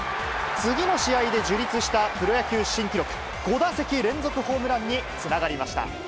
次の試合で樹立したプロ野球新記録、５打席連続ホームランにつながりました。